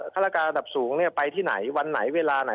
ฮรกาอันดับสูงเนี่ยไปที่ไหนวันไหนเวลาไหน